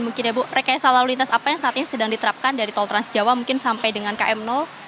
mungkin ibu rekayasa lalu lintas apa yang saat ini sedang diterapkan dari tol transjawa mungkin sampai dengan km